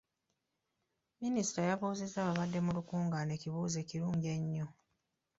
Minisita yabuuzizza abaabdde mu lukungaana ekibuuzo ekirungi ennyo.